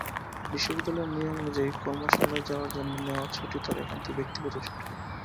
বিশ্ববিদ্যালয়ের নিয়ম অনুযায়ী কর্মশালায় যাওয়ার জন্য নেওয়া ছুটি তাঁর একান্তই ব্যক্তিগত ছুটি।